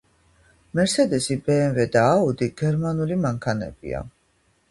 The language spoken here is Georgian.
მერსედსი ბეემვე და აუდი გერმანული მანქანებია